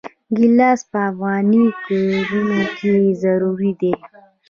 ګیلاس په افغاني کورونو کې ضروري دی.